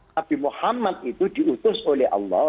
nabi muhammad itu diutus oleh allah